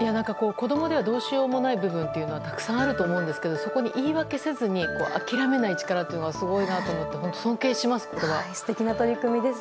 子供では、どうしようもない部分はたくさんあると思うけどそこに言い訳せずに諦めない力がすごいなと思って尊敬します。